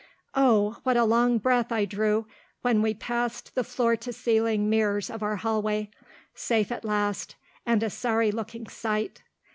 Oh! what a long breath I drew when we passed the floor to ceiling mirrors of our hallway safe at last, and a sorry looking sight.